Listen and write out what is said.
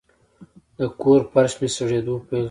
د کور فرش مې سړېدو پیل کړی و.